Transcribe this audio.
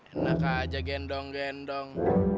enak aja gendong gendong